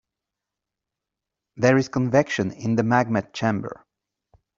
There is convection in the magma chamber.